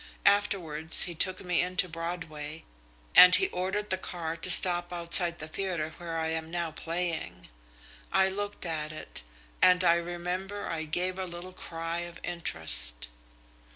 Afterwards he took me into Broadway, and he ordered the car to stop outside the theatre where I am now playing. I looked at it, and I remember I gave a little cry of interest.